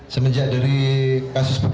semenjak dari kasus berlaku